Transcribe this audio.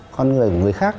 con người của người khác